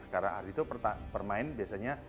karena ardi itu permain biasanya